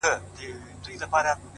تمرکز ګډوډي په چوپتیا بدلوي,